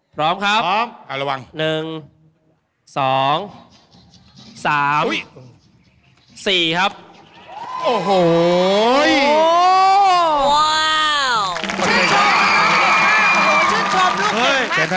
ช่วยชมหลูกน้ำมากสุยอด